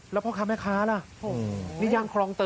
แล้วพ่อค้าแม่ค้าล่ะ